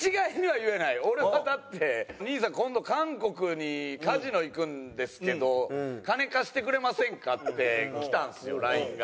俺はだって「兄さん今度韓国にカジノ行くんですけど金貸してくれませんか？」って来たんですよＬＩＮＥが。